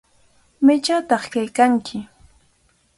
¿Maychawtaq kaykanki?